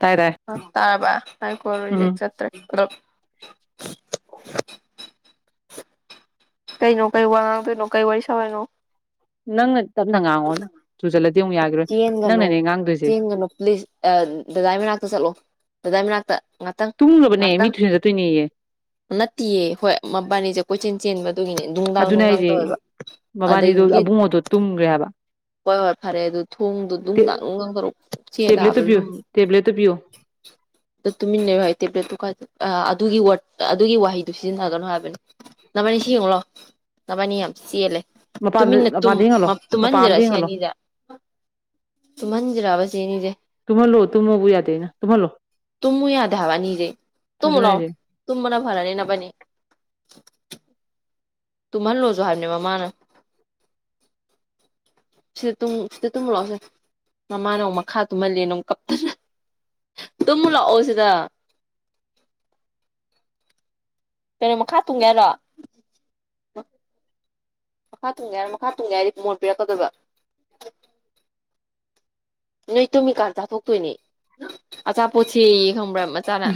ꯇꯥꯏ ꯇꯥꯏ ꯇꯥꯔꯕ ꯃꯥꯏ ꯀꯣꯜ ꯔꯤꯖꯦꯛ ꯎꯝ ꯆꯠꯇ꯭ꯔꯦ ꯄꯨꯂꯞ [inaudible] ꯀꯩꯩꯅꯣ ꯀꯩ ꯋꯥ ꯉꯥꯡꯇꯣꯏꯅꯣ ꯀꯩ ꯋꯥꯔꯤ ꯁꯥꯎ ꯍꯥꯏꯅꯣ ꯅꯪꯅ ꯇꯞꯅ ꯉꯥꯉꯣ ꯊꯨꯖꯂꯛ ꯆꯦꯟꯒꯅꯨ ꯆꯦꯟꯒꯅꯨ ꯄꯂꯤꯁ ꯑ ꯗꯗꯥꯏ ꯃꯅꯥꯛꯇ ꯆꯠꯂꯣ ꯗꯥꯗꯥꯏ ꯃꯅꯥꯛꯇ ꯉꯥꯛꯇꯪ ꯇꯨꯝꯈ꯭ꯔꯕꯅꯦ ꯃꯤ ꯉꯥꯛꯇꯪ ꯇꯨꯏꯁꯟ ꯆꯠꯇꯣꯏꯅꯦꯌꯦ ꯅꯠꯇꯦꯌꯦ ꯍꯣꯏ ꯃꯕꯥꯅꯤꯁꯦ ꯀꯣꯏꯆꯦꯟ ꯆꯦꯟꯕꯗꯨꯒꯤꯅꯦ ꯗꯨꯡꯗꯥꯡ ꯑꯗꯨꯅꯦ ꯗꯨꯡꯗꯥꯡ ꯍꯥꯏꯁꯦ ꯇꯧꯌꯦꯕ ꯃꯕꯥꯅꯤꯗꯣ ꯑꯗꯒꯤ ꯑꯕꯨꯡꯉꯣꯗꯣ ꯇꯨꯝꯈ꯭ꯔꯦ ꯍꯥꯏꯕ ꯍꯣꯏ ꯍꯣꯏ ꯐꯔꯦ ꯑꯗꯨ ꯊꯣꯡꯗꯣ ꯇꯦ ꯗꯨꯡꯗꯥꯡ ꯗꯨꯡꯗꯥꯡ ꯇꯧꯔꯛꯄꯗꯣ ꯇꯦꯕ꯭ꯂꯦꯠꯇꯣ ꯆꯦꯜꯂꯛꯑꯕ ꯄꯤꯌꯨ ꯂꯨꯝ ꯇꯦꯕ꯭ꯂꯦꯠꯇꯣ ꯄꯤꯌꯨ [unintelligible] ꯑ ꯑꯗꯨꯒꯤ ꯋꯥꯔꯗ ꯑꯗꯨꯒꯤ ꯋꯥꯍꯩꯗꯨ ꯁꯤꯖꯤꯟꯅꯒꯅꯨ ꯍꯥꯏꯕꯅꯤ ꯅꯕꯥꯅꯤ ꯁꯤ ꯌꯦꯉꯣ ꯂꯥꯛꯎ ꯅꯕꯥꯅꯤ ꯌꯥꯝ ꯆꯦꯜꯂꯦ ꯃꯄꯥꯟꯗ ꯇꯨꯃꯤꯟꯅ ꯇꯨꯝ ꯃꯄꯥꯟꯗ ꯌꯦꯡꯍꯜꯂꯣ ꯃꯄꯥꯟ ꯑꯝꯗ ꯇꯨꯝꯍꯟꯖꯤꯔꯁꯤ ꯌꯦꯡꯍꯜꯂꯣ ꯆꯤꯅꯤꯗ ꯇꯨꯝꯍꯟꯖꯤꯔꯕ ꯁꯤ ꯑꯅꯤꯁꯦ ꯇꯨꯝꯍꯜꯂꯣ ꯇꯨꯝꯃꯣꯕꯨ ꯌꯥꯗꯦ ꯇꯨꯝꯍꯜꯂꯣ ꯇꯨꯝꯃꯣ ꯌꯥꯗꯥꯕ ꯑꯅꯤ ꯁꯦ ꯇꯨꯝꯃꯣ ꯑꯗꯨꯅꯦ ꯍꯥꯏꯁꯦ ꯂꯥꯛꯑꯣ ꯇꯨꯝꯕꯅꯥ ꯐꯔꯅꯤ ꯅꯕꯅꯤ [inaudible] ꯇꯨꯝꯍꯜꯂꯣꯖꯣꯁꯨ ꯍꯥꯕꯅꯦ ꯃꯥꯃꯥꯅ [inaudible] ꯁꯤꯗ ꯑꯨꯝ ꯁꯤꯗ ꯇꯨꯝꯃꯣꯂꯥꯛꯑꯣꯁꯦ ꯃꯃꯥꯅ ꯑꯃꯨꯛ ꯃꯈꯥꯗ ꯇꯨꯝꯍꯜꯂꯦꯅꯥ ꯑꯃꯨꯛ ꯀꯞꯇꯅ ꯇꯨꯝꯃꯨ ꯂꯥꯛꯑꯣ ꯁꯤꯗ [inaudible] ꯀꯩꯅꯣ ꯃꯈꯥ ꯇꯨꯝꯒꯦ ꯍꯥꯏꯔꯣ ꯃꯈꯥ ꯇꯨꯝꯒꯦ ꯍꯥꯏꯔꯣ ꯃꯈꯥ ꯇꯣꯡꯒꯦ ꯍꯥꯏꯔꯗꯤ ꯃꯣꯟ ꯄꯤꯔꯛꯀꯗꯣꯏꯕ ꯅꯣꯏ ꯇꯣꯃꯤꯀꯥꯟꯗ ꯆꯥꯊꯣꯛꯇꯣꯏꯅꯦ ꯑꯆꯥꯄꯣꯠꯁꯤꯌꯦ ꯈꯪꯕ꯭ꯔꯥ ꯃꯆꯥꯅ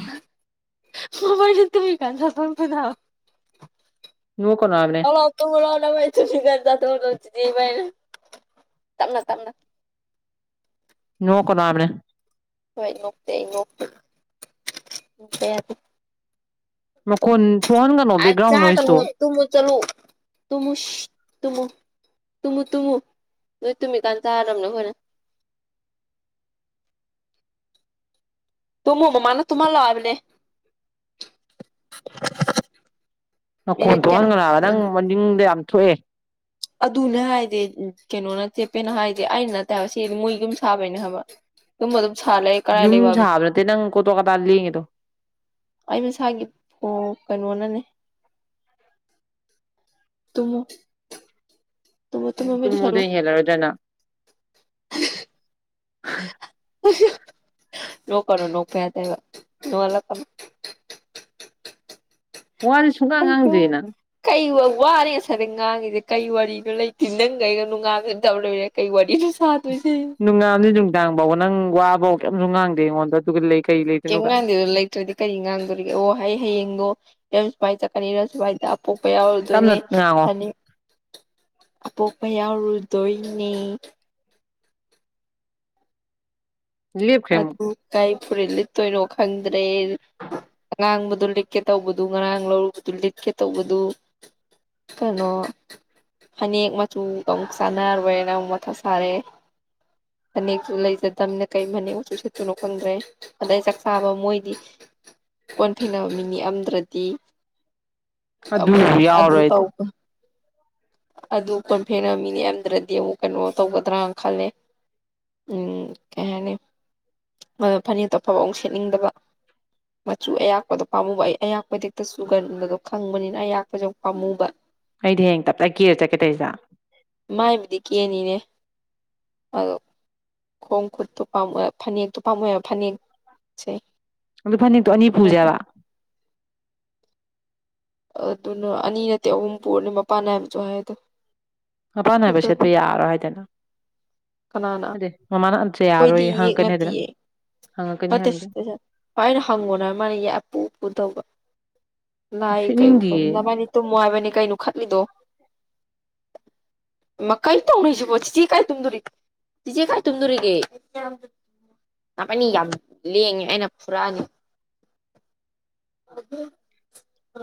ꯃꯣꯏꯕꯅꯤ ꯇꯨꯝꯃꯤ ꯀꯥꯟꯗ ꯆꯥꯊꯣꯛꯇꯣꯏꯅꯦ ꯍꯥꯏꯕ ꯅꯣꯛꯀꯅꯣ ꯍꯥꯏꯕꯅꯦ ꯂꯥꯛꯑꯣ ꯂꯥꯛꯑꯣ ꯇꯨꯝꯃꯣ ꯂꯥꯛꯑꯣ ꯅꯕꯥꯅꯤ ꯆꯀꯅꯅ ꯇꯝꯅ ꯇꯝꯅ [unintelligible] ꯅꯣꯛꯀꯅꯣ ꯍꯥꯏꯕꯅꯦ ꯍꯣꯏ ꯅꯣꯛꯇꯦ ꯑꯩ ꯅꯣꯛꯇꯦ ꯅꯣꯛꯄ ꯌꯥꯗꯦ ꯃꯀꯣꯟ ꯑꯥ ꯆꯥꯒꯅꯨ ꯇꯨꯝꯃꯣ ꯆꯠꯂꯨ ꯇꯨꯝꯃꯨ ꯁꯤꯠ ꯇꯨꯝꯃꯨ ꯇꯨꯝꯃꯨ ꯇꯨꯝꯃꯨ ꯅꯣꯏ ꯇꯨꯝꯃꯤꯀꯥꯟ ꯆꯥꯔꯗꯕꯅꯦ ꯑꯩꯈꯣꯏꯅ [inaudible] ꯇꯨꯝꯃꯣ ꯃꯃꯥꯅ ꯇꯨꯝꯍꯜꯂꯣ ꯍꯥꯏꯕꯅꯦ ꯅꯈꯣꯟ ꯃꯤꯅꯤꯠ ꯊꯣꯛꯍꯟꯒꯅꯣ ꯍꯥꯏꯕ ꯀꯌꯥꯅꯣ ꯅꯪ ꯃꯅꯤꯡꯗꯣ ꯌꯥꯝ ꯊꯣꯛꯑꯦ ꯑꯗꯨꯅꯦ ꯍꯥꯏꯗꯤ ꯀꯩꯅꯣꯅ ꯆꯦꯄꯦꯅ ꯍꯥꯏꯖꯦ ꯑꯩꯅ ꯅꯠꯇꯦ ꯍꯥꯏꯕ ꯁꯤ ꯃꯣꯏ ꯌꯨꯝ ꯁꯥꯕꯩꯅꯦ ꯍꯥꯏꯕ ꯇꯨꯝꯃꯣ ꯑꯗꯨꯝ ꯁꯥ ꯂꯩ ꯀꯔꯥꯏ ꯌꯨꯝ ꯂꯩꯕ ꯍꯥꯏꯕꯅꯣ ꯁꯥꯕ ꯅꯠꯇꯦ ꯅꯪ ꯀꯣꯇꯣ ꯀꯇ꯭ꯔꯥ ꯂꯦꯡꯉꯤꯗꯣ ꯑꯩ ꯃꯁꯥꯒꯤ ꯐꯣ ꯀꯩꯅꯣꯅꯅꯦ ꯇꯨꯝꯃꯣ ꯇꯨꯝꯃꯣ ꯃꯤꯠ ꯎꯏꯁꯤꯜꯂꯣ ꯍꯥ ꯑꯍꯥ ꯍꯥ ꯅꯣꯛꯀꯅꯨ ꯅꯣꯛꯄ ꯌꯥꯗꯦ ꯍꯥꯏꯕ ꯅꯣꯛꯍꯜꯂꯀꯅꯨ ꯋꯥꯁꯦ ꯁꯨꯡꯉꯥꯡ ꯉꯥꯡꯗꯦ [unintelligible] ꯅꯪ ꯀꯩ ꯋꯥ ꯋꯥꯔꯦ ꯉꯁꯥꯏꯗꯒꯤ ꯉꯥꯡꯉꯁꯦ ꯀꯩ ꯋꯥꯔꯤꯅꯣ ꯂꯩꯇꯦ ꯅꯪꯒ ꯑꯩꯒ ꯅꯣꯉꯥꯟꯕꯗꯩ ꯅꯨꯃꯤꯠꯇꯥꯐꯥꯎ ꯂꯣꯏꯔꯦ ꯀꯔꯤ ꯋꯥꯔꯤꯅꯣ ꯏꯁ ꯁꯥꯗꯣꯏꯁꯦ ꯅꯨꯡꯉꯥꯟꯕꯗꯗꯤ ꯅꯨꯡꯗꯥꯡ ꯐꯥꯎꯕ ꯅꯪ ꯋꯥꯕꯧ ꯀꯩꯝꯁꯨ ꯉꯥꯡꯗꯦ ꯑꯩꯉꯣꯟꯗ ꯑꯗꯨꯒ ꯂꯩ ꯀꯩ ꯀꯩꯌꯝ ꯂꯩꯗꯣꯏꯅꯣ ꯀꯥꯏꯅ ꯉꯥꯡꯗꯦꯗ ꯂꯩꯇ꯭ꯔꯗꯤ ꯀꯔꯤ ꯉꯥꯡꯗꯣꯔꯤꯒꯦ ꯑꯣ ꯑꯩ ꯍꯌꯦꯡꯗꯣ ꯔꯁ ꯄꯥꯏ ꯀꯅꯤꯔꯁ ꯄꯥꯏꯗ [unintelligible] ꯑꯄꯣꯛꯄ ꯇꯞꯅ ꯌꯥꯎꯔꯨꯗꯣꯏꯅꯤ ꯉꯥꯡꯉꯣ ꯑꯅꯤ ꯑꯄꯣꯛꯄ ꯌꯥꯎꯔꯨ ꯇꯣꯏꯅꯤ ꯂꯦꯞꯈ꯭ꯔꯦ ꯑꯃꯨꯛ ꯑꯗꯨ ꯀꯔꯤ ꯐꯨꯔꯤꯠ ꯂꯤꯠꯇꯣꯏꯅꯣ ꯈꯪꯗ꯭ꯔꯦ ꯑꯉꯥꯡꯕꯗꯨ ꯂꯤꯠꯀꯦ ꯇꯧꯕꯗꯨ ꯉꯔꯥꯡ ꯂꯧꯔꯨꯕꯗꯨ ꯂꯤꯠꯀꯦ ꯇꯧꯕꯗꯨ ꯀꯩꯅꯣ ꯐꯅꯦꯛ ꯃꯆꯨꯒ ꯑꯃꯨꯛ ꯆꯥꯟꯅꯔꯣꯏꯅ ꯑꯃꯨꯛ ꯃꯊꯥ ꯁꯥꯔꯦ ꯐꯅꯦꯛꯁꯨ ꯂꯩꯖꯗꯕꯅꯤꯅ ꯀꯩ ꯐꯅꯦꯛ ꯃꯆꯨ ꯁꯦꯠꯇꯣꯏꯅꯣ ꯈꯪꯗ꯭ꯔꯦ ꯑꯗꯩ ꯆꯥꯛ ꯆꯥꯕ ꯃꯣꯏꯗꯤ ꯀꯣꯟ ꯐꯦꯡꯅꯕ ꯃꯤ ꯅꯦꯛꯑꯝꯗ꯭ꯔꯗꯤ ꯑꯃꯨꯛ ꯑꯗꯨꯕꯨ ꯑꯗꯨ ꯌꯥꯎꯔꯣꯏ ꯑꯩꯗꯤ ꯇꯩꯕ ꯑꯗꯨ ꯀꯣꯟ ꯐꯦꯅꯕ ꯃꯤ ꯅꯦꯛꯑꯝꯗ꯭ꯔꯗꯤ ꯑꯃꯨꯛ ꯀꯩꯅꯣ ꯇꯧꯒꯗ꯭ꯔꯥꯅ ꯈꯜꯂꯦ [inaudible] ꯃ ꯐꯅꯛꯇꯣ ꯑꯐꯕ ꯑꯃꯨꯛ ꯁꯦꯠꯅꯤꯡꯗꯕ ꯃꯆꯨ ꯑꯌꯥꯛꯄꯗꯣ ꯄꯥꯝꯃꯨꯕ ꯑꯩ ꯑꯌꯥꯛꯄ ꯍꯦꯛꯇ ꯆꯨꯒꯟꯕꯗꯣ ꯈꯪꯕꯅꯤꯅ ꯑꯌꯥꯛꯄꯁꯦ ꯑꯃꯨꯛ ꯄꯥꯝꯃꯨꯕ ꯑꯩꯗꯤ ꯍꯌꯦꯡ ꯇꯞꯇꯥꯏ ꯀꯦꯔ ꯆꯠꯀꯦ ꯇꯧꯏꯁꯤꯗ ꯃꯥꯏꯕꯨꯗꯤ ꯀꯦꯅꯤꯅꯦ ꯑꯗꯣ ꯈꯣꯡ ꯈꯨꯠꯇꯣ ꯄꯥꯝꯃꯨꯏ ꯐꯅꯦꯛꯇꯣ ꯄꯥꯝꯃꯨꯏꯕ ꯐꯅꯦꯛꯁꯦ ꯑꯗꯨ ꯐꯅꯦꯛꯇꯣ ꯑꯅꯤ ꯄꯨꯖꯦꯕ ꯑꯗꯨꯅ ꯑꯅꯤ ꯅꯠꯇꯦ ꯑꯍꯨꯝ ꯄꯨꯔꯅꯤ ꯃꯄꯥꯟ ꯅꯥꯏꯕꯁꯨ ꯍꯥꯏꯗꯣ ꯃꯄꯥꯅ ꯍꯥꯏꯕ ꯑꯗꯣ ꯁꯦꯠꯄ ꯌꯥꯔꯔꯣꯏ ꯍꯥꯏꯗꯅꯦ ꯀꯅꯥꯅ ꯅꯠꯇꯦ ꯃꯃꯥꯅ ꯑꯝꯇ ꯌꯥꯔꯔꯣꯏ ꯍꯪꯉꯛꯀꯅꯤ ꯍꯥꯏꯗꯨꯅ ꯐꯠꯇꯦ ꯁꯅ [inaudible] ꯍꯪꯉꯨꯅꯣ ꯃꯥꯅ ꯑꯄꯨ ꯄꯨ ꯇꯧꯕ ꯑꯁ ꯂꯥꯏ ꯀꯩ ꯀ [inaudible] ꯁꯦꯠꯅꯤꯡꯗꯤꯌꯦ ꯅꯕꯥꯏꯅꯤ ꯇꯨꯝꯃꯨ ꯍꯥꯏꯕꯅꯤ ꯀꯩꯅꯣ ꯈꯠꯂꯤꯗꯣ [inaudible] ꯃꯥ ꯀꯩꯅꯣ ꯇꯧꯅꯩꯖꯤꯕꯣ ꯆꯤꯆꯦ ꯀꯥꯏ ꯇꯨꯝꯗꯣꯔꯤꯒꯦ ꯆꯤꯆꯦ ꯀꯥꯏ ꯇꯨꯝꯗꯣꯔꯤꯒꯦ ꯅꯕꯅꯤ ꯌꯥꯝ ꯂꯦꯡꯉꯦ ꯑꯩꯅ ꯐꯨꯔꯛꯑꯅꯤ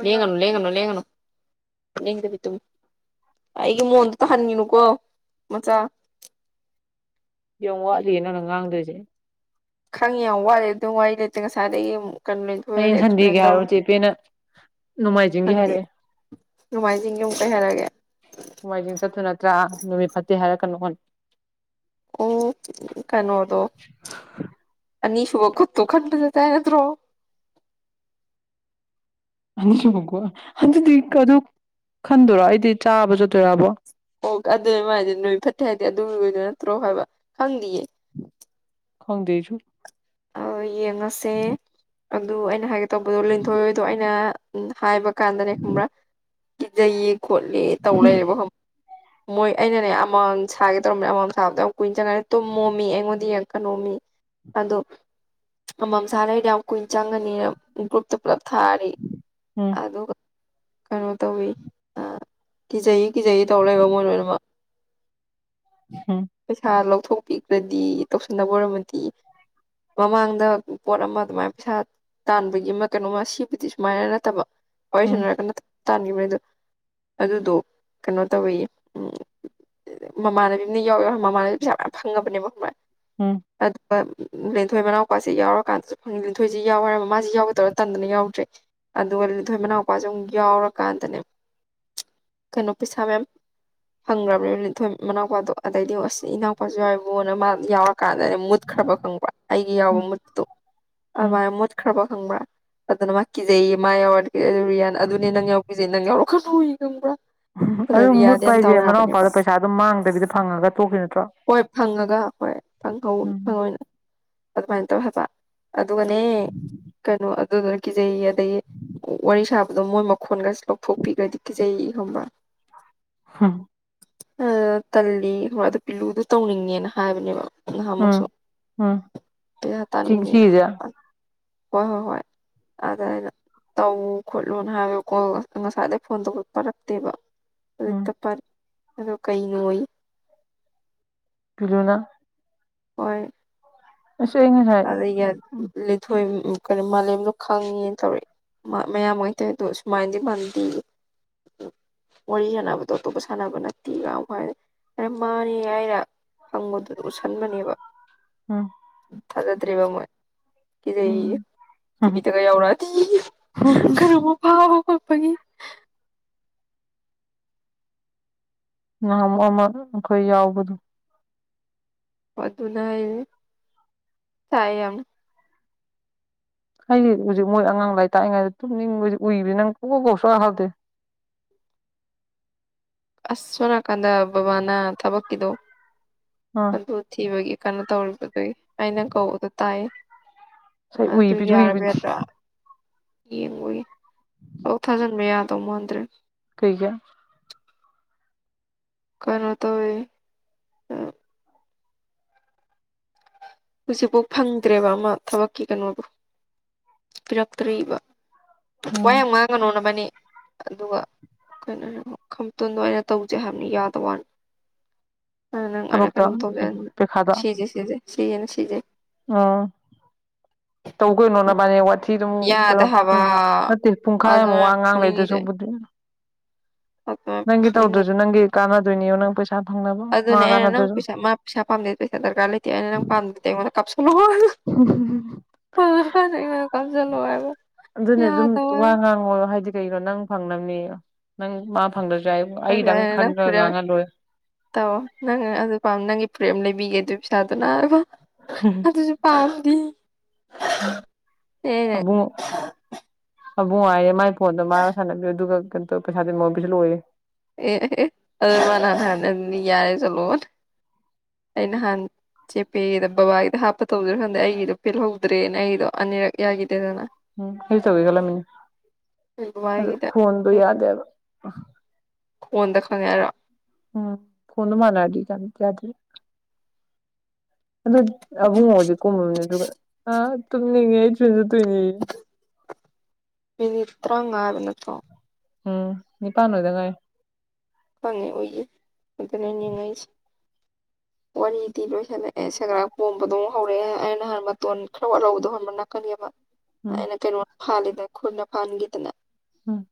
ꯂꯦꯡꯒꯅꯨ ꯂꯦꯡꯒꯅꯨ ꯂꯦꯡꯒꯅꯨ ꯂꯦꯡꯗꯕꯤ ꯇꯨꯝꯃꯨ ꯑꯩꯒꯤ ꯃꯣꯟꯗꯨ ꯇꯥꯍꯟꯒꯤꯅꯨꯀꯣ ꯃꯆꯥ ꯌꯥꯝ ꯋꯥꯠꯂꯤꯌꯦ ꯅꯪꯅ ꯉꯥꯡꯗꯣꯏꯖꯦ ꯈꯪꯉꯤ ꯌꯥꯝ ꯋꯥꯠꯂꯦ ꯑꯗꯨꯝ ꯋꯥꯔꯤ ꯂꯩꯇꯦ ꯉꯁꯥꯏꯗꯒꯤ ꯑꯃꯨꯛ ꯀꯩꯅꯣ ꯂꯦꯟꯊꯣꯏꯍꯣꯏꯗ ꯍꯌꯦꯡ ꯑꯦꯛꯁꯄ꯭ꯂꯦꯟ ꯁꯟꯗꯦꯒꯤ ꯍꯥꯏꯔꯣ ꯇꯧ ꯆꯦꯄꯦꯅ ꯅꯣꯡꯃꯥꯏꯖꯤꯡꯒꯤ ꯁꯟꯗꯦ ꯍꯥꯏꯔꯛꯑꯦ ꯅꯣꯡꯃꯥꯏꯖꯤꯡꯒꯤ ꯑꯃꯨꯛ ꯀꯩ ꯍꯥꯏꯔꯛꯑꯒꯦ ꯅꯣꯡꯃꯥꯏꯖꯤꯡ ꯆꯠꯇꯨꯏ ꯅꯠꯇ꯭ꯔꯥ ꯅꯨꯃꯤꯠ ꯐꯠꯇꯦ ꯍꯥꯏꯔꯛ ꯀꯅꯣꯅ ꯑꯣ ꯀꯩꯅꯣꯗꯣ ꯑꯅꯤꯁꯨꯕ ꯈꯨꯨꯠ ꯊꯨ ꯈꯟꯕꯗ ꯇꯥꯏ ꯅꯠꯇ꯭ꯔꯣ ꯑꯅꯤ ꯁꯨꯕꯀꯣ ꯑꯗꯨꯗꯤ ꯑꯗꯨ ꯈꯟꯗꯣꯏꯔꯣ ꯑꯩꯗꯤ ꯆꯥꯕ ꯆꯠꯇꯣꯏꯔꯕꯣ ꯑꯣ ꯑꯗꯨꯅꯤ ꯃꯥꯏꯗꯨ ꯅꯨꯃꯤꯠ ꯐꯠꯇꯦ ꯍꯥꯏꯗꯤ ꯑꯗꯨ ꯑꯣꯏꯗꯣꯏ ꯅꯠꯇ꯭ꯔꯣ ꯍꯥꯏꯕ ꯈꯪꯗꯤꯌꯦ ꯈꯪꯗꯦ ꯑꯩꯁꯨꯨ ꯑꯥ ꯌꯦꯡꯉꯁꯦ ꯑꯗꯨ ꯑꯩꯅ ꯍꯥꯏꯒꯦ ꯇꯧꯕꯗꯣ ꯂꯤꯟꯊꯣꯏ ꯍꯣꯏꯗꯣ ꯑꯩꯅ ꯎꯝ ꯍꯥꯏꯕ ꯀꯥꯟꯗꯅꯦ ꯈꯪꯕ꯭ꯔꯥ ꯀꯤꯖꯩꯌꯦ ꯈꯣꯠꯂꯦ ꯇꯧ ꯂꯩꯔꯦꯕ ꯃꯣꯏ ꯑꯩꯅꯅꯦ ꯑꯃꯥꯡ ꯁꯥꯒꯦ ꯇꯧꯔꯝꯕꯅꯦ ꯑꯃꯥꯝ ꯃꯝ ꯁꯥꯒꯦ ꯇꯩꯔꯝꯕꯅꯦ ꯑꯃꯝ ꯃꯝ ꯁꯕꯗꯣ ꯌꯝ ꯀꯨꯏꯅ ꯆꯪꯉꯅꯤ ꯇꯨꯝꯃꯣꯃꯤ ꯑꯩꯉꯣꯟꯗ ꯌꯦꯡꯉꯛ ꯀꯅꯣꯝꯃꯤ ꯑꯗꯣ ꯑꯃ ꯃꯝ ꯁꯂꯩꯔꯗꯤ ꯌꯥꯝ ꯀꯨꯏꯅ ꯆꯪꯉꯅꯤꯅ ꯒ꯭ꯔꯨꯞꯇ ꯄꯨꯂꯞ ꯊꯥꯔꯤ ꯎꯝ ꯑꯗꯨꯒ ꯀꯩꯅꯣ ꯇꯧꯋꯤ ꯀꯤꯖꯩ ꯀꯤꯖꯩ ꯇꯧꯔ ꯂꯩꯕ ꯃꯣꯏ ꯂꯣꯏꯅꯃꯛ ꯎꯝ ꯄꯩꯁꯥ ꯂꯧꯊꯣꯛꯄꯤꯈ꯭ꯔꯗꯤ ꯇꯧꯁꯤꯟꯅꯕ ꯑꯣꯏꯔꯝꯃꯗꯤ ꯃꯃꯥꯡꯗ ꯄꯣꯠ ꯑꯃ ꯑꯗꯨꯃꯥꯏꯅ ꯄꯩꯁꯥ ꯇꯥꯟꯕꯒꯤ ꯑꯃ ꯀꯩꯅꯣꯃ ꯁꯤꯕꯨꯗꯤ ꯁꯨꯃꯥꯏꯅ ꯅꯠꯇꯕ ꯋꯥꯔꯤ ꯎꯝ ꯁꯥꯟꯅꯔꯒ ꯅꯠ ꯇꯥꯟꯒꯤꯕꯩꯗꯣ ꯑꯗꯨꯗꯣ ꯀꯩꯅꯣ ꯇꯧꯋꯤꯌꯦ ꯎꯝ ꯃꯃꯥꯟꯅꯕꯤ ꯑꯃꯅ ꯌꯥꯎ ꯌꯥꯎ ꯃꯃꯥꯟꯅꯕꯤ ꯄꯩꯁꯥ ꯃꯌꯥꯝ ꯐꯪꯉꯕꯅꯦꯕ ꯈꯪꯕ꯭ꯔꯥ ꯎꯝ ꯑꯗꯨꯒ ꯂꯦꯟꯊꯣꯏ ꯃꯅꯥꯎꯄꯥꯁꯦ ꯌꯥꯎꯔꯀꯥꯟꯗ ꯂꯤꯟꯊꯣꯏꯖꯤ ꯌꯥꯎ ꯍꯥꯏꯔꯝ ꯃꯥꯖꯤ ꯌꯥꯎꯒꯦ ꯇꯧꯔ ꯇꯟꯗꯅ ꯌꯥꯎꯗ꯭ꯔꯦ ꯑꯗꯨꯒ ꯂꯤꯟꯊꯣꯏ ꯃꯅꯥꯎ ꯄꯥꯖꯨ ꯑꯃꯨꯛ ꯌꯥꯎꯔꯀꯥꯟꯗꯅꯦ [inaudible] ꯀꯩꯅꯣ ꯄꯩꯁꯥ ꯃꯌꯥꯝ ꯍꯪꯒ꯭ꯔꯕꯅꯦ ꯂꯤꯟꯊꯣꯏ ꯃꯅꯥꯎꯄꯥꯗꯣ ꯑꯗꯩꯗꯤ ꯑꯁ ꯏꯅꯥꯎꯄꯥꯖꯨ ꯌꯥꯎꯔꯤꯕꯨꯅ ꯃꯥ ꯌꯥꯎꯔꯀꯥꯟꯗꯅꯦ ꯃꯨꯠ ꯊꯕꯛ ꯈꯪꯕ꯭ꯔꯥ ꯑꯩꯒꯤ ꯌꯥꯎꯕ ꯎꯝ ꯃꯨꯠꯇꯣ ꯎꯝ ꯑꯗꯨꯃꯥꯏꯅ ꯃꯨꯠꯈ꯭ꯔꯕ ꯈꯪꯕ꯭ꯔꯥ ꯑꯗꯨꯅ ꯃꯥ ꯀꯤꯖꯩꯌꯦ ꯃꯥ ꯌꯥꯎꯔꯗꯤ ꯔꯤꯌꯥꯟ ꯑꯗꯨꯅꯦ ꯅꯪ ꯌꯥꯎꯕ ꯀꯤꯖꯩ ꯅꯪ ꯌꯥꯎꯔꯛꯀꯅꯣꯏ ꯈꯪꯕ꯭ꯔꯥ ꯑꯗ ꯑꯗꯨꯝ ꯔꯤꯌꯥꯗꯤ ꯃꯨꯠꯄ ꯌꯥꯝ ꯗꯥꯎ ꯍꯥꯏꯖꯦ ꯌꯥꯕꯅꯦꯕ ꯃꯅꯥꯎꯄꯥꯗꯣ ꯄꯩꯁꯥ ꯑꯗꯨꯝ ꯃꯥꯡꯗꯕꯤꯗ ꯐꯪꯉꯒ ꯇꯣꯛꯈꯤ ꯅꯠꯇ꯭ꯔꯣ ꯍꯣꯏ ꯐꯪꯉꯒ ꯍꯣꯏ ꯐꯪꯍꯧ ꯎꯝ ꯐꯪꯍꯧꯋꯤꯅ ꯑꯗꯨꯃꯥꯏꯅ ꯇꯧ ꯍꯥꯏꯕ ꯑꯗꯨꯒꯅꯦ ꯀꯩꯅꯣ ꯑꯗꯨ ꯀꯤꯖꯩꯌꯦ ꯑꯗꯒꯤ ꯋꯥꯔꯤ ꯁꯥꯕꯗꯣ ꯃꯣꯏ ꯃꯈꯣꯟꯒꯖꯦ ꯂꯧꯊꯣꯛꯄꯤꯒ꯭ꯔꯥꯗꯤ ꯀꯤꯖꯩ ꯈꯪꯕ꯭ꯔꯥ ꯍꯝ ꯑꯥ ꯇꯜꯂꯤ ꯑꯗꯨ ꯄꯤꯂꯨꯗꯣ ꯇꯧꯅꯤꯡꯉꯦꯅ ꯍꯥꯏꯕꯅꯦꯕ ꯅꯍꯥꯟ ꯎꯝ ꯃꯨꯛꯁꯨ ꯎꯝ ꯄꯩꯁꯥ ꯇꯥꯟꯅꯤꯡꯉꯤꯅ ꯁꯤꯒꯤꯁꯦ ꯍꯣꯏ ꯍꯣꯏ ꯍꯣꯏ ꯑꯗ ꯑꯩꯅ ꯇꯧ ꯈꯣꯠꯂꯨꯅ ꯍꯥꯏꯕ ꯀꯣꯜ ꯉꯁꯥꯏꯗꯒꯤ ꯐꯣꯟ ꯇꯧꯕ ꯄꯥꯏꯔꯛꯇꯦꯕ ꯎꯝ ꯍꯖꯤꯛꯇ ꯄꯥꯏꯔꯛ ꯑꯗꯣ ꯀꯩꯅꯣꯌꯦ ꯄꯤꯂꯨꯅ ꯍꯣꯏ ꯑꯁ ꯑꯩ ꯉꯁꯥꯏ ꯑꯥꯗꯩ ꯌꯠ ꯂꯤꯟꯊꯣꯏ ꯎꯝ ꯀꯩꯅꯣ ꯃꯥꯂꯦꯝꯗꯣ ꯈꯪꯉꯦꯅ ꯇꯧꯔꯛꯑꯦ ꯃꯌꯥꯝ ꯒꯩ ꯇꯧꯋꯦꯗꯣ ꯁꯨꯃꯥꯏꯅꯗꯤ ꯃꯥꯟꯗꯦꯌꯦ [inaudible] ꯋꯥꯔꯤ ꯁꯥꯟꯅꯕꯗꯣ ꯑꯇꯣꯞꯄ ꯁꯥꯟꯅꯕ ꯅꯠꯇꯦ ꯌꯥꯎ ꯍꯥꯏ ꯑꯗꯩ ꯃꯥꯅꯦ ꯑꯩꯅ ꯐꯪꯕꯗꯨ ꯎꯠꯁꯟꯕꯅꯦꯕ ꯎꯝ ꯊꯖꯗ꯭ꯔꯤꯕ ꯃꯣꯏ ꯀꯤꯖꯩ ꯌꯦ ꯎꯝ ꯎꯝ ꯇꯤꯚꯤꯗꯒ ꯌꯥꯎꯔꯛꯑꯗꯤ ꯈꯔꯕꯨ ꯐꯥꯕ ꯄꯒꯤ ꯉꯍꯥ ꯑꯃꯨꯛ ꯑꯃ ꯑꯩꯈꯣꯏ ꯌꯥꯎꯕꯗꯣ ꯑꯣ ꯑꯗꯨꯅ ꯍꯥꯏ ꯊꯥꯏ ꯌꯥꯝ ꯑꯩꯗꯤ ꯍꯧꯖꯤꯛ ꯃꯣꯏ ꯑꯉꯥꯡ ꯂꯥꯏꯔꯤꯛ ꯇꯥꯛꯏꯉꯩꯗ ꯇꯨꯝꯅꯤꯡꯕꯁꯤ ꯎꯏꯕꯅꯤ ꯅꯪ ꯀꯣꯛ ꯀꯣꯛꯁꯨ ꯍꯥꯛꯇꯦ [inaudible] ꯑꯁ ꯁꯣꯝꯅꯀꯟꯗ ꯕꯥꯕꯅꯥ ꯊꯕꯛꯀꯤꯗꯣ ꯑꯥ ꯑꯗꯨ ꯊꯤꯕꯒꯤ ꯀꯩꯅꯣ ꯇꯧꯔꯤꯕꯗꯨꯒꯤ ꯑꯩ ꯅ ꯪꯀꯧꯕꯗꯣ ꯇꯥꯏꯌꯦ ꯉꯁꯥꯏ ꯑꯗꯨ ꯎꯏꯕꯤ ꯎꯏꯕꯤ ꯌꯥꯔꯕꯤꯇ꯭ꯔꯣ ꯌꯦꯡꯕꯒꯤ ꯑꯧ ꯊꯥꯖꯤꯟꯕ ꯌꯥꯗꯧ ꯃꯥꯟꯗ꯭ꯔꯦ ꯀꯩꯒꯤ ꯀꯩꯅꯣ ꯇꯧꯋꯦ ꯑꯥ ꯍꯧꯖꯤꯛꯐꯥꯎ ꯐꯪꯗ꯭ꯔꯦꯕ ꯑꯃ ꯊꯕꯛꯀꯤ ꯀꯩꯅꯣꯕꯨ ꯄꯤꯔꯛꯇ꯭ꯔꯤꯕ ꯋꯥ ꯎꯝ ꯌꯥꯝ ꯉꯥꯡꯒꯅꯣ ꯅꯕꯥꯟꯅꯤ ꯑꯗꯨꯒ ꯀꯩꯅꯣꯅꯤ ꯈꯝꯇꯣꯟꯗꯣ ꯑꯩꯅ ꯇꯧꯖꯦ ꯍꯥꯏꯕꯅꯤ ꯌꯥꯗꯕ ꯋꯥꯅꯤ ꯑꯥ ꯅꯪ ꯑꯩꯅ ꯊꯕꯛꯇꯣ ꯀꯩꯅꯣꯝ ꯇꯧꯖꯦ ꯌꯗꯦ ꯄꯩꯈꯥꯗ ꯁꯤꯖꯦ ꯁꯤꯖꯦ ꯁꯤꯌꯦꯅ ꯁꯤꯖꯦ ꯎꯝ ꯇꯧ ꯀꯩꯅꯣ ꯅꯕꯥꯟꯅꯤ ꯋꯥꯊꯤ ꯁꯤ ꯑꯗꯨꯝ ꯌꯥꯗꯦ ꯀꯩꯅꯣ ꯄ ꯍꯥꯏꯕ ꯅꯠꯇꯦ ꯄꯨꯡꯈꯥꯏ ꯑꯃ ꯑꯗꯨꯃꯥꯏꯅ ꯋꯥ ꯉꯥꯡ ꯂꯩꯗꯣꯏ ꯐꯨꯅꯤꯡꯉꯤꯖꯦ ꯁꯔꯨꯛꯄꯨꯗꯤ ꯑꯗꯨꯃꯥꯏꯅ ꯅꯪꯒꯤ ꯐꯨꯅꯤꯡꯉꯤ ꯇꯧꯗ꯭ꯔꯥꯖꯨ ꯅꯪꯒꯤ ꯀꯥꯟꯅꯗꯣꯏꯅꯦ ꯅꯪ ꯄꯩꯁꯥ ꯐꯪꯅꯕ ꯑꯗꯨꯅꯦ ꯃꯥ ꯑꯩꯅ ꯅꯪ ꯀꯥꯟꯅꯗ꯭ꯔꯁꯨ ꯄꯩꯥꯁꯥ ꯃꯥ ꯄꯩꯥꯁꯥ ꯄꯝꯗꯦ ꯄꯩꯁꯥ ꯗꯔꯀꯥꯔ ꯂꯩꯇꯦ ꯑꯩꯅ ꯅꯪ ꯄꯥꯝꯗꯗꯤ ꯑꯩꯉꯣꯟ ꯀꯞꯁꯟ ꯎꯝꯍꯨꯝꯍꯨ ꯐꯪꯉꯀꯥꯟꯗ ꯑꯩꯉꯣꯟꯗ ꯀꯥꯞꯁꯜꯂꯣ ꯍꯥꯏꯕ ꯑꯗꯨꯅꯦ ꯑꯗꯨꯝ ꯌꯥꯗꯕ ꯋꯥ ꯋꯥꯅꯤ ꯉꯥꯡꯉꯣ ꯍꯥꯏꯗꯤ ꯀꯩꯩꯅꯣ ꯅꯪ ꯐꯪꯅꯝꯅꯦꯌꯦ ꯅꯪ ꯃꯥ ꯐꯪꯗ꯭ꯔꯁꯨ ꯌꯥꯏ ꯑꯩꯒꯤꯗꯪ ꯈꯟꯗ꯭ꯔꯒ ꯉꯥꯡꯍꯜꯂꯣꯏ [unintelligible] ꯇꯧꯑꯣ ꯅꯪ ꯑꯗꯨ ꯄꯥꯝ ꯅꯪꯒꯤ ꯕꯦꯛ ꯑꯃ ꯂꯩꯕꯤꯒꯦ ꯑꯗꯨ ꯄꯩꯁꯥꯗꯨꯅ ꯍꯥꯏꯕ ꯑꯗꯨꯁꯨ ꯄꯥꯝꯗꯤ ꯑꯦ ꯑꯕꯨꯨꯡ ꯑꯃꯕꯨꯡ ꯍꯥꯏꯅꯦ ꯃꯥꯏ ꯐꯣꯟꯗꯣ ꯃꯥꯥ ꯁꯥꯟꯖꯔꯣ ꯑꯗꯨꯒ ꯀꯩꯅꯣ ꯇꯧ ꯄꯩꯁꯥꯗꯤ ꯃꯉꯣꯟꯗ ꯄꯤꯁꯤꯟꯂꯛꯑꯣꯌꯦ ꯑꯦ ꯑꯗꯨꯃꯅꯥꯅꯥꯅ ꯌꯥꯔꯦ ꯆꯠꯂꯣꯅ ꯑꯩ ꯅꯍꯥꯟ ꯆꯦꯄꯦꯗꯣ ꯕꯕꯥꯒꯤꯗ ꯍꯥꯞꯄ ꯇꯧꯒꯤꯔꯥ ꯈꯪꯗꯦ ꯑꯩꯒꯤꯗꯣ ꯄꯦꯜꯍꯧꯗ꯭ꯔꯦꯅ ꯑꯩꯗꯣ ꯑꯅꯤꯔꯛ ꯌꯥꯒꯤ ꯎꯝ ꯑꯩꯁꯨ ꯇꯧꯒꯦ ꯈꯜꯂꯝꯃꯤꯅꯦ ꯑꯗꯨ ꯕꯕꯥꯒꯤꯗ ꯈꯣꯟꯗꯣ ꯌꯥꯗꯦꯕ ꯈꯣꯟꯗ ꯈꯪꯉꯦ ꯍꯥꯏꯔꯣ ꯎꯝ ꯐꯣꯟꯗ ꯃꯥꯟꯅꯔꯗꯤ ꯌꯥꯗꯦ ꯑꯗꯨ ꯑꯕꯨꯡꯉꯣ ꯖꯦ ꯀꯨꯝꯃꯝꯃꯦ ꯑꯗꯨꯒ ꯇꯨꯝꯅꯤꯡꯉꯦ ꯑꯩ ꯇꯤꯌꯨꯁꯟ ꯆꯠ ꯇꯨꯅꯦꯌꯦ ꯇꯔꯥꯎꯉꯥ ꯍꯥꯏꯕ ꯅꯠꯇ꯭ꯔꯣ ꯎꯝ ꯅꯤꯡꯄꯥꯟ ꯂꯣꯏꯗ ꯉꯥꯏꯔꯤ ꯐꯪꯉꯦ ꯑꯣꯏꯌꯦ ꯑꯗꯨꯅ ꯌꯦꯡꯉꯛꯏꯁꯦ [inaudible] ꯋꯥꯔꯤꯗꯤ ꯂꯣꯏꯁꯜꯂꯛꯑꯦ ꯁꯦꯒ꯭ꯔꯥꯛ ꯄꯣꯝꯕꯗꯧ ꯍꯧꯔꯛꯑꯦ ꯑꯩ ꯅꯍꯥꯟ ꯃꯇꯣꯟ ꯈꯔ ꯋꯥꯠꯍꯧꯕꯗꯧ ꯍꯣꯟꯕ ꯅꯀꯟꯒꯤ ꯑꯃ ꯎꯝ ꯑꯩꯅ ꯀꯩꯅꯣ ꯐꯥꯜꯂꯤꯗ ꯈꯨꯔꯅ ꯐꯥꯟꯒꯤꯗꯅ ꯎꯝ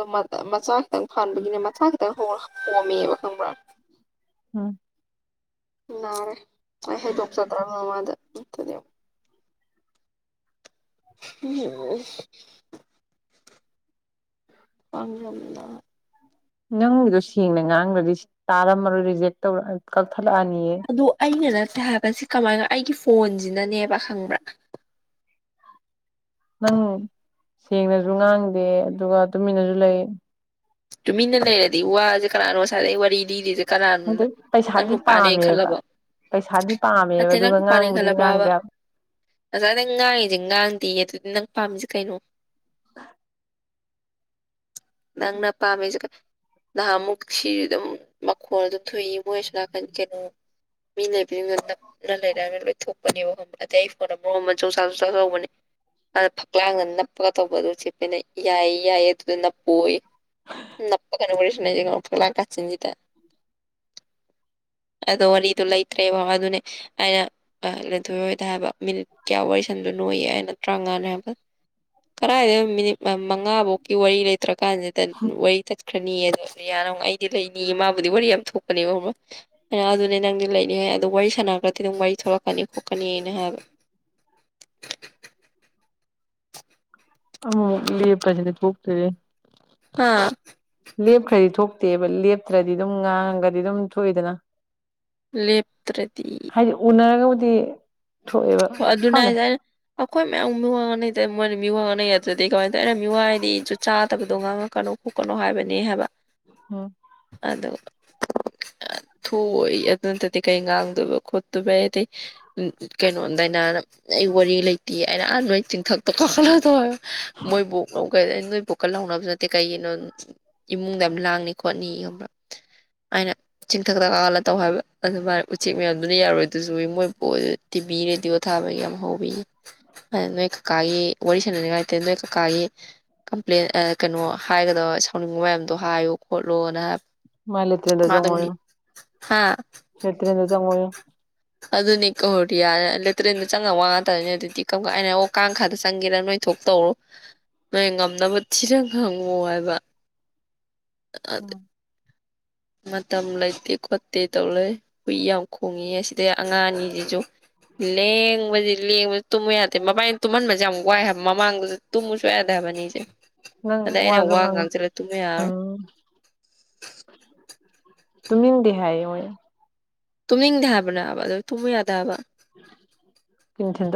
ꯑꯥ ꯃꯆꯥ ꯈꯤꯇꯪ ꯐꯥꯟꯕꯒꯤꯅꯦ ꯃꯆꯥ ꯈꯤꯇꯪ ꯍꯣꯡꯔ ꯄꯣꯝꯃꯤꯕ ꯈꯪꯕ꯭ꯔꯥ ꯎꯝ ꯅꯥꯔꯦ ꯑꯩ ꯍꯩꯗꯣꯛꯆꯗ꯭ꯔꯃꯦ ꯃꯉꯣꯟꯗ ꯅꯠꯇ꯭ꯔꯗꯤ ꯑꯃꯨꯛ ꯎꯝ ꯍꯝꯖꯝꯅ ꯅꯪꯒꯤꯗꯣ ꯁꯦꯡꯅ ꯉꯥꯡꯅꯗꯤ ꯇꯥꯔꯝꯃꯔꯣꯏ ꯔꯤꯖꯦꯛ ꯇꯧꯔ ꯀꯛꯊꯠꯂꯛꯑꯅꯤꯌꯦ ꯍꯥꯏꯕꯁꯤ ꯀꯃꯥꯏꯅ ꯑꯩꯒꯤ ꯐꯣꯟꯁꯤꯅꯅꯦꯕ ꯈꯪꯕ꯭ꯔꯥ ꯅꯪ ꯁꯦꯡꯅꯁꯨ ꯉꯥꯡꯗꯦ ꯑꯗꯨꯒ ꯇꯨꯃꯤꯟꯅꯁꯨ ꯂꯩ ꯇꯨꯃꯤꯟꯅ ꯂꯩꯔꯗꯤ ꯋꯥꯁꯦ ꯀꯅꯥꯅꯣ ꯉꯁꯥꯏꯗꯩ ꯋꯥꯔꯤ ꯂꯤꯔꯤꯖꯦ ꯑꯗꯩ ꯄꯩꯁꯥꯗꯤ ꯄꯥꯝꯃꯦꯕ ꯄꯩꯁꯥꯗꯤ ꯄꯥꯝꯃꯦꯕ ꯅꯠꯇꯦ ꯅꯪ ꯑꯗꯨꯒ ꯉꯥꯡꯕꯗꯤ ꯉꯥꯡꯗꯦꯕ ꯉꯁꯥꯏꯗꯩ ꯉꯥꯡꯉꯤꯁꯦ ꯉꯥꯡꯗꯦꯌꯦ ꯑꯗꯨꯗꯤ ꯅꯪ ꯄꯥꯝꯃꯤꯁꯦ ꯀꯩꯅꯣ [inaudible] ꯅꯪꯪꯅ ꯄꯥꯝꯃꯤꯁꯦ ꯀ ꯅꯍꯥꯟꯃꯨꯛ ꯁꯤꯖꯨ ꯑꯗꯨꯝ ꯃꯈꯣꯜ ꯑꯗꯨꯝ ꯊꯣꯛꯏ ꯃꯣꯏ ꯑꯁꯣꯝ ꯅꯥꯀꯟ ꯀꯩꯅꯣ ꯃꯤ ꯂꯩꯕꯅ ꯅꯞꯅ ꯂꯩꯔꯒ ꯂꯣꯏꯊꯣꯛꯄꯅꯦꯕ ꯑꯇꯩ ꯐꯣꯟ ꯃꯔꯣꯟ ꯑꯃ ꯆꯣꯡ ꯆꯥ ꯆꯣꯡ ꯆꯥ ꯇꯧꯕꯅꯦ ꯑꯗ ꯐꯛꯂꯥꯡꯗ ꯅꯞꯄꯒ ꯇꯧꯕꯗꯨ ꯆꯦꯄꯦꯅ ꯌꯥꯏ ꯌꯥꯏꯌꯦ ꯑꯗꯨꯗ ꯅꯞꯄꯣꯌꯦ ꯅꯞꯄꯒꯅꯦ ꯋꯥꯔꯤ ꯁꯥꯅꯩꯖꯦ ꯐꯛꯂꯥꯡ ꯀꯥꯆꯤꯟꯖꯤꯗ ꯑꯗꯣ ꯋꯥꯔꯤꯗꯣ ꯂꯩꯇ꯭ꯔꯦ ꯕꯕꯥ ꯑꯗꯨꯅꯦ ꯑꯩꯅ ꯑꯥ ꯂꯦꯟꯊꯣꯏ ꯍꯦꯏꯗ ꯍꯥꯏꯕ ꯃꯤꯅꯤꯠ ꯀꯌꯥ ꯋꯥꯔꯤ ꯁꯟꯗꯣꯏꯅꯣꯌꯦ ꯑꯩꯅ ꯇꯔꯥꯃꯉꯥꯅꯦ ꯍꯥꯏꯕ ꯀꯗꯥꯥꯏꯗꯩ ꯃꯤꯅꯤꯠ ꯃꯉꯥꯕꯣꯛꯀꯤ ꯋꯥꯔꯤ ꯂꯩꯇ꯭ꯔꯀꯥꯟꯁꯤꯗ ꯋꯥꯔꯤ ꯇꯠꯈ꯭ꯔꯅꯤꯌꯦ ꯔꯤꯌꯥ ꯑꯃꯨꯛ ꯑꯩꯗꯤ ꯂꯩꯅꯤ ꯃꯥꯕꯨꯗꯤ ꯋꯥꯔꯤ ꯌꯥꯝ ꯊꯣꯛꯄꯅꯦꯕꯕ ꯈꯪꯕ꯭ꯔ ꯑꯩꯅ ꯑꯗꯨꯅꯦ ꯅꯪꯗꯤ ꯂꯩꯅꯤ ꯍꯥꯏ ꯑꯥꯗꯣ ꯋꯥꯔꯤ ꯁ ꯁꯅꯥꯒ꯭ꯔꯗꯤ ꯑꯗꯨꯝ ꯋꯥꯔꯤ ꯊꯣꯂꯛꯀꯅꯤ ꯈꯣꯠꯀꯅꯤꯅ ꯍꯥꯏꯕ [inaudible] ꯑꯃꯨꯛ ꯃꯨꯛ ꯂꯦꯞꯄꯖꯤꯅꯤ ꯊꯣꯛꯇꯔꯦ ꯍꯥ ꯂꯦꯞꯈꯔꯤ ꯊꯣꯛ ꯇꯦꯕ ꯂꯦꯞꯇ꯭ꯔꯗꯤ ꯑꯗꯨꯝ ꯉꯥꯡꯉꯒꯗꯤ ꯑꯗꯨꯝ ꯊꯣꯛꯏꯗꯅ ꯂꯦꯞ ꯍꯥꯏꯗꯤ ꯎꯅꯔꯒꯕꯨꯗꯤ ꯊꯣꯛꯑꯦꯕ ꯑꯗꯨꯅꯦ ꯈꯪꯗꯦ ꯍꯥꯏꯖꯦ ꯑꯩꯅ ꯑꯈꯣꯏ ꯃꯌꯥꯝ ꯃꯤꯋꯥ ꯉꯥꯡꯅꯩ ꯃꯣꯏꯅ ꯃꯤꯋꯥ ꯉꯥꯡꯅꯩ ꯌꯥꯗ꯭ꯔꯗꯤ ꯀꯃꯥꯏꯅ ꯇꯧ ꯑꯩꯅ ꯃꯤꯋꯥ ꯍꯥꯏꯗꯤ ꯖꯨꯠ ꯆꯥꯗꯕꯗꯣ ꯉꯥꯡꯉꯛꯀꯅꯣ ꯈꯣꯠꯀꯅꯣ ꯍꯥꯏꯕꯅꯤ ꯍꯥꯏꯕ ꯎꯝ ꯑꯗꯨꯒ ꯊꯣꯛꯑꯣꯏ ꯑꯗꯨ ꯅꯠꯇꯗꯤ ꯀꯩ ꯉꯥꯡꯗꯣꯏꯕ ꯈꯣꯠꯇꯣꯏꯕ ꯑꯦ ꯑꯇꯩ ꯀꯩꯅꯣ ꯅꯣ ꯗꯩꯅꯥꯅ ꯑꯩ ꯋꯥꯔꯤ ꯂꯩꯇꯦꯌꯦ ꯑꯩꯅ ꯑꯥ ꯅꯣꯏ ꯆꯤꯡꯊꯛꯇ ꯀꯥꯈꯠꯂꯛ ꯇꯧ ꯍꯥꯏꯕ ꯃꯣꯏ ꯕꯣꯛꯅ ꯅꯣꯏ ꯄꯣꯛꯀꯠꯍꯥꯎꯅꯕ ꯅꯠꯇꯦ ꯀꯩꯒꯤꯅꯣ ꯏꯃꯨꯡꯗ ꯌꯥꯝ ꯂꯥꯡꯅꯤ ꯈꯣꯠꯅꯤꯌꯦ ꯈꯪꯕ꯭ꯔꯥ ꯑꯩꯅ ꯆꯤꯡꯊꯛꯇ ꯀꯥꯈꯠꯂꯒ ꯇꯧ ꯍꯥꯏꯕ ꯑꯗꯨ ꯃꯥꯅ ꯎꯆꯦꯛ ꯃꯌꯥꯝꯗꯨꯅ ꯌꯥꯔꯣꯏꯗꯨꯁꯨ ꯃꯣꯏ ꯕꯣꯛꯍꯣꯏ ꯇꯤꯚꯤ ꯔꯦꯗꯤꯑꯣ ꯊꯥꯕꯒꯤ ꯌꯥꯝ ꯍꯥꯋꯦꯌꯦ ꯅꯣꯏ ꯀꯀꯥꯒꯤ ꯋꯥꯔꯤ ꯁꯥꯟꯅꯅꯤꯡꯉꯥꯏꯇꯦ ꯅꯣꯏ ꯀꯀꯥꯒꯤ ꯀꯝꯄ꯭ꯂꯦꯟ ꯑꯥ ꯀꯩꯅꯣ ꯍꯥꯏꯒꯕ ꯁꯥꯎꯅꯤꯡꯕ ꯃꯌꯥꯝꯗꯣ ꯍꯥꯏꯌꯣ ꯈꯣꯠꯂꯣꯅ ꯍꯥꯏ ꯃꯥ ꯂꯦꯇ꯭ꯔꯤꯟꯗ ꯆꯪꯉꯣꯌꯣ ꯍꯥ ꯂꯦꯇ꯭ꯔꯤꯟꯗ ꯆꯪꯉꯣꯌꯣ ꯑꯗꯨꯅꯦ ꯀꯍꯧꯔꯗꯤ [unintelligible] ꯌꯥꯔꯦ ꯂꯦꯇ꯭ꯔꯤꯦꯟꯗ ꯆꯪꯉꯒ ꯋꯥ ꯉꯥꯛꯇꯅꯤ ꯑꯗꯨꯗꯤ ꯑꯩꯅ ꯑꯣ ꯀꯥꯡꯈꯥꯗ ꯆꯪꯒꯦꯔꯥ ꯅꯣꯏꯊꯣꯛ ꯇꯧꯔꯣ ꯅꯣꯏ ꯉꯝꯅꯕ ꯊꯤꯔ ꯉꯥꯡꯉꯨ ꯍꯥꯏꯕ [inaudible] ꯑꯗ ꯃꯇꯝ ꯂꯩꯇꯦ ꯈꯣꯠꯇꯦ ꯇꯧ ꯂꯩ ꯍꯨꯏ ꯌꯥꯝ ꯈꯣꯡꯉꯤꯌꯦ ꯁꯤꯗꯩ ꯑꯉꯥꯡ ꯑꯅꯤꯁꯤꯁꯨ ꯂꯦꯡꯕꯖꯤ ꯂꯦꯡꯕꯖꯤ ꯇꯨꯝꯃꯨ ꯌꯥꯗꯦ ꯃꯕꯥꯅꯤ ꯇꯨꯝꯍꯟꯕꯁꯦ ꯌꯥꯝ ꯋꯥꯏ ꯍꯥꯏꯕ ꯃꯃꯥꯡꯗꯁꯨ ꯇꯨꯝꯃꯨꯁꯨꯛꯌꯥ ꯌꯥꯗꯦ ꯍꯥꯏ ꯃꯕꯅꯤꯁꯦ ꯅꯪ ꯑꯗ ꯑꯩꯅ ꯋꯥꯁꯨ ꯋꯥꯒ ꯉꯥꯡ ꯉꯥꯡꯖꯜꯂꯒ ꯇꯨꯃꯨ ꯌꯥꯔꯔꯣꯏ ꯇꯨꯝꯅꯤꯗꯦ ꯍꯥꯏꯌꯦ ꯍꯣꯏ ꯇꯨꯝꯅꯤꯡꯗꯦ ꯍꯥꯏꯕꯅꯦꯕ ꯑꯗꯨ ꯇꯨꯝꯃꯨ ꯌꯥꯗꯦ ꯍꯥꯏꯕ ꯀꯅꯤꯊꯗ [unintelligible]